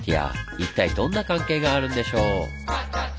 一体どんな関係があるんでしょう？